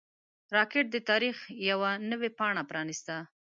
راکټ د تاریخ یوه نوې پاڼه پرانیسته